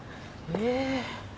え！